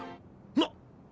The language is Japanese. なっ！！